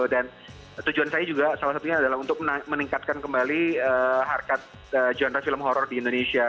dan tujuan saya juga salah satunya adalah untuk meningkatkan kembali harkat genre film horror di indonesia